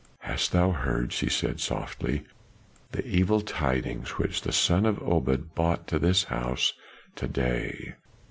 "Hast thou heard," she said softly, "the evil tidings which the son of Obed brought to this house to day?"